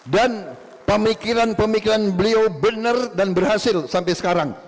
dan pemikiran pemikiran beliau benar dan berhasil sampai sekarang